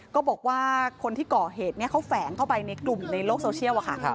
ก็บอกว่าคนที่ก่อเหตุเขาแฝงเข้าไปในกลุ่มในโลกโซเชียลค่ะ